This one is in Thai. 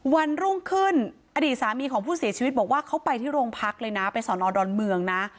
วันรุ่งขึ้นอดีตสามีของผู้เสียชีวิตบอกว่าเขาไปที่โรงพักเลยนะไปสอนอดอนเมืองนะ